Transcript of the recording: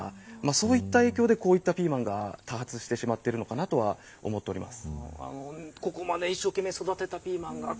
そういった影響でこういったピーマンが多発しているのかなと思います。